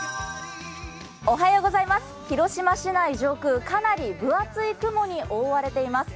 広島市内上空、かなり分厚い雲に覆われています。